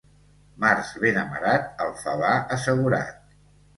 Març ben amarat, el favar assegurat.